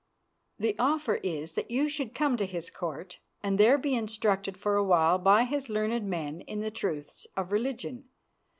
"The offer is that you should come to his Court, and there be instructed for a while by his learned men in the truths of religion.